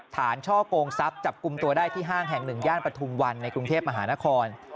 ช่อกงทรัพย์จับกลุ่มตัวได้ที่ห้างแห่งหนึ่งย่านปฐุมวันในกรุงเทพมหานคร